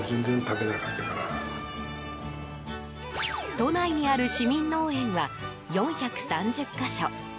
都内にある市民農園は４３０か所。